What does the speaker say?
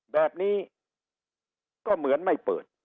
แบบนี้ก็เหมือนไม่เปิด